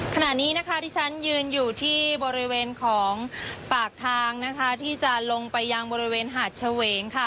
ขณะนี้นะคะที่ฉันยืนอยู่ที่บริเวณของปากทางนะคะที่จะลงไปยังบริเวณหาดเฉวงค่ะ